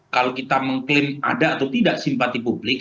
kalau kita mengklaim ada atau tidak simpati publik